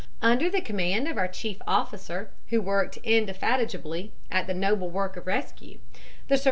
"Under the command of our chief officer, who worked indefatigably at the noble work of rescue, the survivors in {illust.